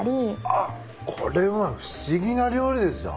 あっこれは不思議な料理ですよ。